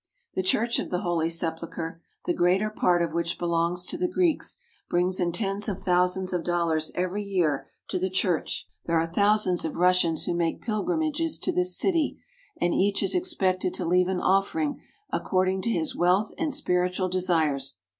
The Church of the Holy Sepulchre, the greater part of which belongs to the Greeks, brings in tens of thousands of dollars every year to the Church. There are thousands of Russians who make pilgrimages to this city, and each is expected to leave an offering according to his wealth and spiritual desires.